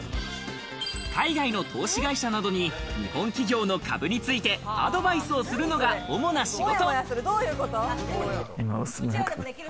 海外の投資会社などに日本企業の株についてアドバイスをするのが主な仕事。